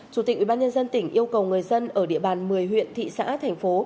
chủ tịch ubnd tỉnh yêu cầu người dân ở địa bàn một mươi huyện thị xã thành phố